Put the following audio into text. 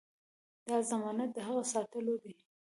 دا ضمانت د هغه ساتلو دی.